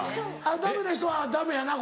ダメな人はダメやなこれ。